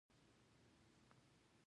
ډاکټر حشمتي د خپل کار د مېز تر شا ناست و.